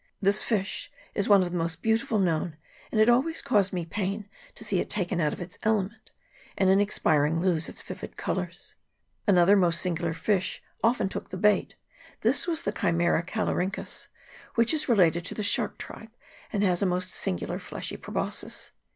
This fish is one of the most beautiful known, and it always caused me pain to see it taken out of its ele ment, and in expiring lose its vivid colours. Another most singular fish often took the bait : this was the Chimsera calorynchus, which is related to the shark tribe, and has a most singular fleshy proboscis.